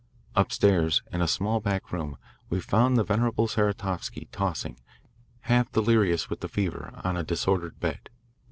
Upstairs in a small back room we found the venerable Saratovsky, tossing, half delirious with the fever, on a disordered bed.